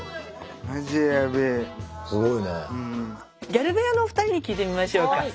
ギャル部屋のお二人に聞いてみましょうか。